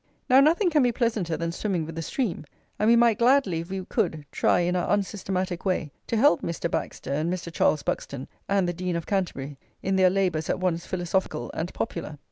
Now, nothing can be pleasanter than swimming with the stream; and we might gladly, if we could, try in our unsystematic way to help Mr. Baxter, and Mr. Charles Buxton, and the Dean of Canterbury, in their labours at once philosophical and popular.